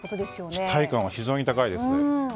期待感は非常に高いです。